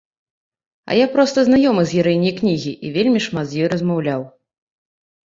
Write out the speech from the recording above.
А я проста знаёмы з гераіняй кнігі і вельмі шмат з ёй размаўляў.